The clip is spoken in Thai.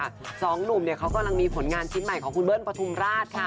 สองหนุ่มเนี่ยเขากำลังมีผลงานชิ้นใหม่ของคุณเบิ้ลปฐุมราชค่ะ